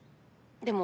でも。